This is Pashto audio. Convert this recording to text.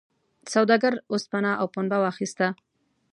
سوداګر اوسپنه او پنبه واخیسته.